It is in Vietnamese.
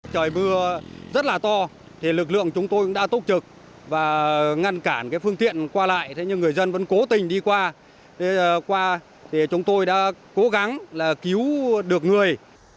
trời mưa rất là to lực lượng chúng tôi đã tốt trực và ngăn cản phương tiện qua lại nhưng người dân vẫn cố tình đi qua chúng tôi đã cố gắng cứu được người